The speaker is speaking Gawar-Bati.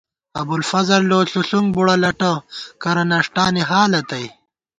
ابُوالفضل لو ݪُݪُونگ بُوڑہ لٹہ، کرہ نݭٹانی حالہ تئ